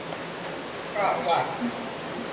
ประวัติ